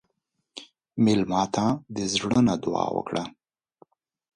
مېلمه ته د زړه نه دعا وکړه.